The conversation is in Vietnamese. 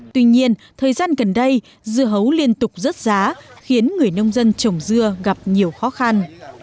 tuy nhiên thời gian gần đây dưa hấu liên tục rớt giá khiến người nông dân trồng dưa gặp nhiều khó khăn